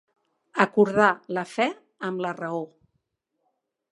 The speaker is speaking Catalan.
Acordar la fe amb la raó.